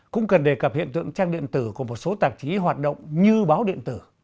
cũng cần đề cập hiện tượng trang điện tử của một số tạp chí hoạt động như báo điện tử